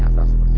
yang satu money